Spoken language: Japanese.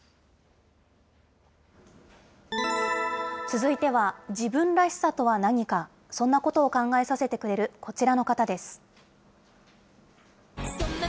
続いては、自分らしさとは何か、そんなことを考えさせてくれるこちらの方です。